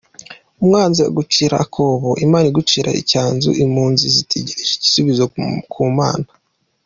“ Umwanzi agucira akobo; imana igucira icyanzu, impunzi zitegereje igisubizo ku Mana”